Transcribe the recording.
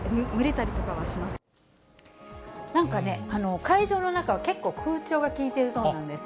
なんかね、会場の中は結構空調が効いてるそうなんです。